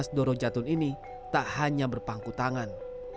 mencari jalan untuk mencari jalan ke jatun ini tak hanya berpangku tangan